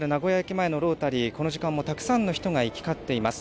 前のロータリー、この時間もたくさんの人が行き交っています。